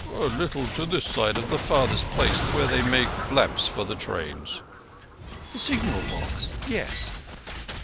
"A little to this side of the farthest place where they make lamps for the trains."— "The signal box! Yes."